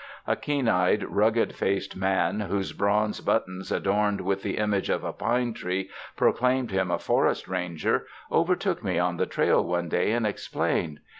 A keen eyed, rugged faced man, whose bronze but tons adorned with the image of a pine tree pro claimed him a forest ranger, overtook me on the trail one day and explained.